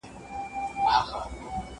موږ باید د محرومو خلکو غږ واورو.